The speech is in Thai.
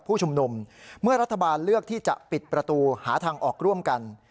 ผู้ชุมนุมเมื่อรัฐบาลเลือกที่จะปิดประตูหาทางออกร่วมกัน